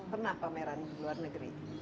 pernah pameran di luar negeri